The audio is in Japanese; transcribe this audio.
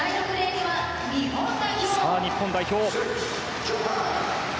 さあ、日本代表。